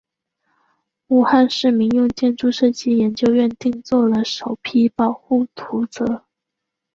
武汉市民用建筑设计研究院定做了首批保护图则。